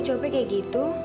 kamu capek kayak gitu